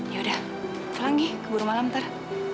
yaudah selanggi keburu malam ntar